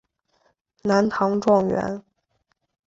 南唐状元。